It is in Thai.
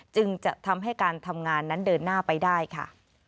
จึงจะทำให้การทำงานนั้นเดินหน้าไปได้ค่ะ